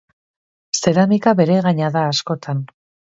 Zeramika beregaina da askotan.